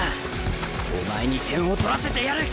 お前に点を取らせてやる！